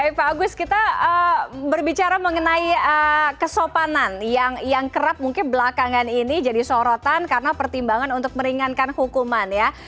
baik pak agus kita berbicara mengenai kesopanan yang kerap mungkin belakangan ini jadi sorotan karena pertimbangan untuk meringankan hukuman ya